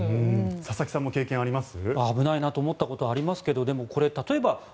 佐々木さんも経験あります？